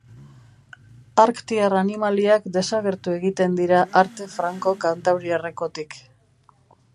Arktiar animaliak desagertu egiten dira arte franko-kantauriarrekotik.